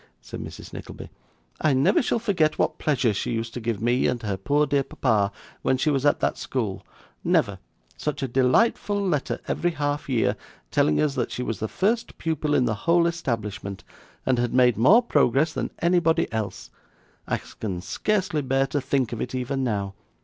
said Mrs Nickleby, 'I never shall forget what pleasure she used to give me and her poor dear papa, when she was at that school, never such a delightful letter every half year, telling us that she was the first pupil in the whole establishment, and had made more progress than anybody else! I can scarcely bear to think of it even now.